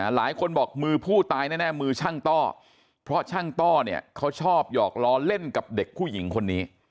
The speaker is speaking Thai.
หลายคนบอกมือผู้ตายแน่มือช่างต้อเพราะช่างต้อเนี่ยเขาชอบหยอกล้อเล่นกับเด็กผู้หญิงคนนี้